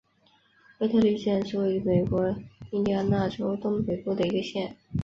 惠特利县是位于美国印第安纳州东北部的一个县。